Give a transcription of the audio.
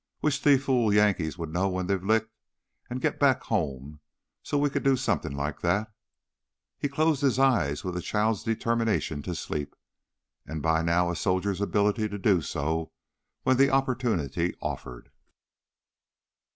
"Wish these fool Yankees would know when they're licked and get back home so we could do somethin' like that." He closed his eyes with a child's determination to sleep, and by now a soldier's ability to do so when the opportunity offered.